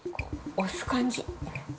押す感じ？